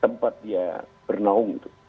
tempat dia bernaung itu